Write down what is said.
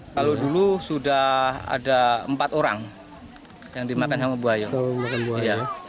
kalau dulu sudah ada empat orang yang dimakan sama buaya